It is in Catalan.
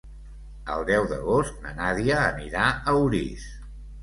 El deu d'agost na Nàdia anirà a Orís.